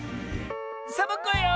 サボ子よ！